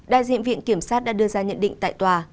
đại diện viện kiểm sát đã đưa ra nhận định tại tòa